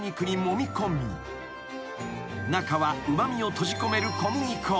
［中はうま味を閉じ込める小麦粉］